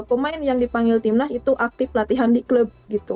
jadi pemain yang dipanggil tim nas itu aktif latihan di klub